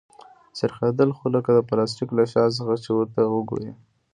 چې څرخېدله خو لکه د پلاستيک له شا څخه چې ورته وگورې.